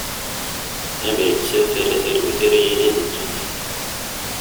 Amer ittaf ala talwit ara yilin deg ddunit.